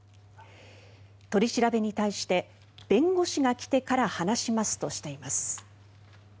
取り調べに対して弁護士が来てから話しますとしています。